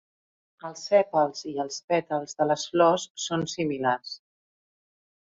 Els sèpals i els pètals de les flors són similars.